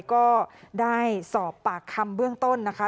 ก็ได้สอบปากคำเบื้องต้นนะคะ